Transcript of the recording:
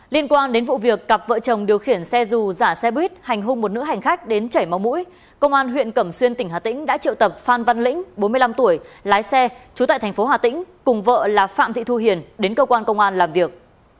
liên quan đến vụ việc cặp vợ chồng điều khiển xe dù giả xe buýt hành hung một nữ hành khách đến chảy máu mũi công an huyện cẩm xuyên tỉnh hà tĩnh đã triệu tập phan văn lĩnh bốn mươi năm tuổi lái xe trú tại thành phố hà tĩnh cùng vợ là phạm thị thu hiền đến cơ quan công an làm việc